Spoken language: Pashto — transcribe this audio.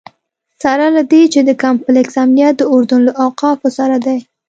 سره له دې چې د کمپلکس امنیت د اردن له اوقافو سره دی.